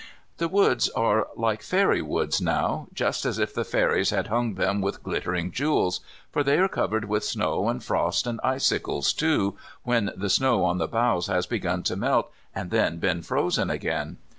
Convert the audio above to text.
The woods are like fairy woods now, just as if the fairies had hung them with glittering jewels, for they are covered with snow and frost, and icicles, too, when the snow on the boughs has begun to melt and then been frozen again.